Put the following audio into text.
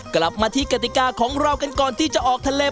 กลับมาที่กติกาของเรากันก่อนที่จะออกทะเล